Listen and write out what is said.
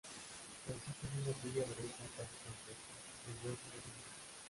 Consiste de una tibia derecha casi completa, el hueso de la espinilla.